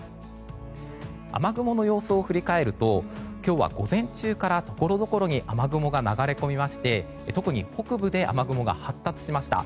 雨雲の様子を振り返ると今日は午前中からところどころに雨雲が流れ込みまして特に北部で雨雲が発達しました。